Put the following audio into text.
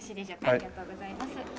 ありがとうございます。